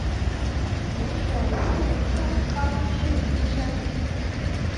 岩手县盛冈市出身。